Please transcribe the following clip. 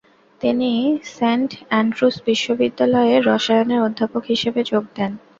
তিনি Saint Andrews বিশ্ববিদ্যালয়ে রসায়নের অধ্যাপক হিসেবে যোগ দেন।